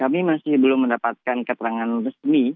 kami masih belum mendapatkan keterangan resmi